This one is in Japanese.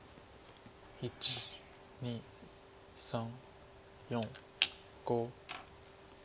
１２３４５。